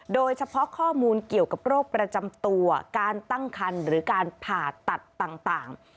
โดยเฉพาะข้อมูลเกี่ยวกับโรคประจำตัวการตั้งคันหรือการผ่าตัดต่าง